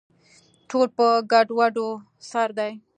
ټول په ګډووډو سر دي